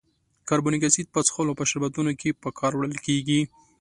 کاربونیک اسید په څښلو په شربتونو کې په کار وړل کیږي.